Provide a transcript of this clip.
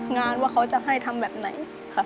งานว่าเขาจะให้ทำแบบไหน